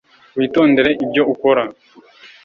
witondere ibyo ukora